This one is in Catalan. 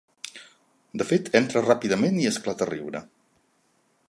De fet, entra ràpidament i esclata a riure.